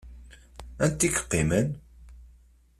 Anta i yeqqimen?